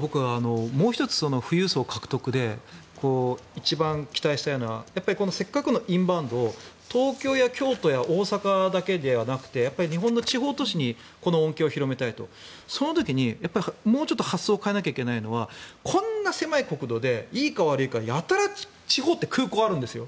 僕、もう１つ富裕層獲得で一番期待したいのがせっかくのインバウンドを東京や京都や大阪だけではなくて日本の地方都市にこの恩恵を広めたいと。その時にもうちょっと発想を変えないといけないのがこんな狭い国土でいいか悪いかやたら地方って空港があるんですよ。